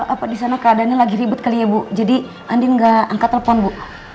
apa di sana keadaannya lagi ribut kali ya bu jadi andin nggak angkat telepon bu